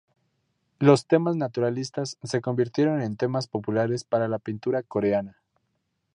Los temas naturalistas se convirtieron en temas populares para la pintura coreana.